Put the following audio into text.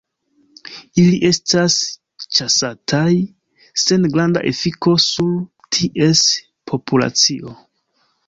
Ili estas ĉasataj sen granda efiko sur ties populacio.